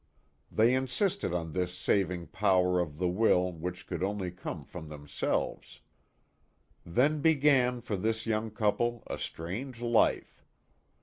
They insisted on this saving power of the will which could only come from themselves. Then began for this young couple a strange life.